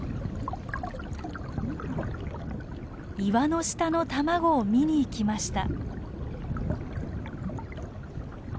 岩の下の卵を見にいきました。